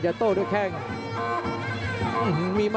จริงครับ